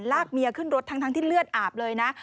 ลากเมียขึ้นรถทั้งที่เลือดอาบเลยนะ